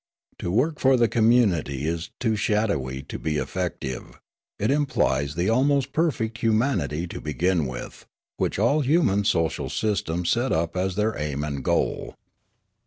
To work for the communit} is too shadowy to be effective ; it implies the almost perfect humanity to begin with, which all human social systems set up as their aim and goal.